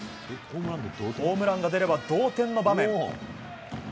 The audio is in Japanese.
ホームランが出れば同点の場面。